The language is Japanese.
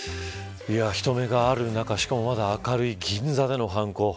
人目がある中まだ明るい銀座での犯行。